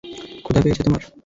ক্ষুধা পেয়েছে তোমার?